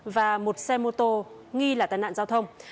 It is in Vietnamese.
và một xe mô tô nghi là tai nạn giao thông